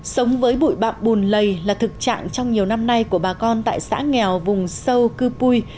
sống với bụi bạm bùn lầy là thực trạng trong nhiều năm nay của bà con tại xã nghèo vùng sâu cư pui